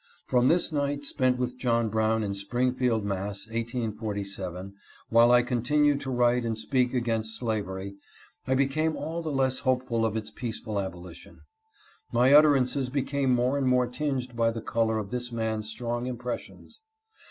From this night spent with John Brown in Springfield, Mass., 1847, while I continued to write and speak against slavery, I became all the same less hopeful of its peaceful abolition. My utterances became more and more tinged by the color of this man's strong impressions.